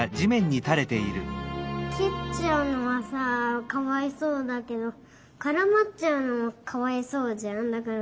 きっちゃうのはさかわいそうだけどからまっちゃうのもかわいそうじゃんだから。